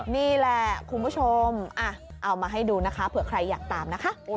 นี่แหละคุณผู้ชมเอามาให้ดูนะคะเผื่อใครอยากตามนะคะ